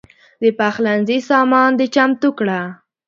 د پخلنځي سامان دې چمتو کړه.